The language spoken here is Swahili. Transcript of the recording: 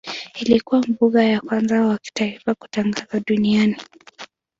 Ilikuwa mbuga ya kwanza wa kitaifa kutangazwa duniani.